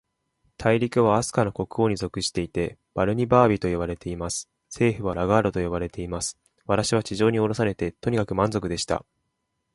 大陸は、飛島の国王に属していて、バルニバービといわれています。首府はラガードと呼ばれています。私は地上におろされて、とにかく満足でした。